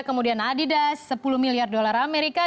kemudian adidas sepuluh miliar dolar amerika